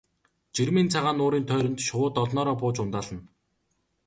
Жирмийн цагаан нуурын тойрон шувууд олноороо бууж ундаална.